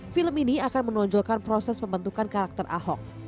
film ini akan menonjolkan proses pembentukan karakter ahok